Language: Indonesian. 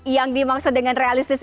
yang dimaksud dengan realistis